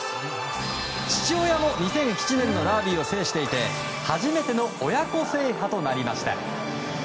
父親も２００７年のダービーを制していて初めての親子制覇となりました。